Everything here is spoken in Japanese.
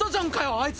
あいつ。